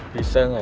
bisa gak ya